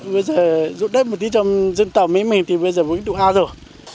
bây giờ dụ đất một tí trong dân tộc mấy mình thì bây giờ cũng đủ áo rồi